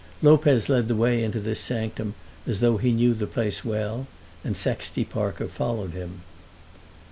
Lopez led the way into this sanctum as though he knew the place well, and Sexty Parker followed him.